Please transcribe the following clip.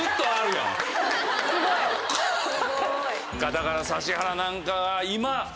だから指原なんか今。